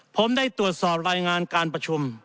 ผมได้ตรวจสอบรายงานการประชุม